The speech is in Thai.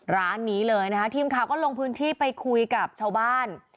ร้านนี้เลยนะคะทีมข่าวก็ลงพื้นที่ไปคุยกับชาวบ้าน